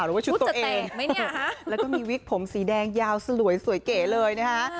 หรือว่าชุดตัวเองแล้วก็มีวิกผมสีแดงยาวสลวยสวยเก๋เลยนะฮะ